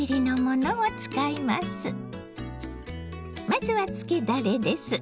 まずはつけだれです。